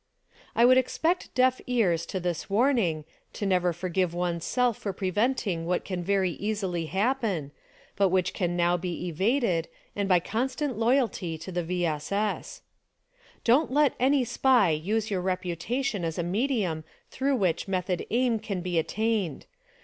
I would expect deaf ears to this warning, to ner er forgive one's self for preventing what can very easily happen, but which can now be evaded, and by constant loyalty to the V. S. S. Don't let any SPY use your reputation as a medium through which method aim can be attained.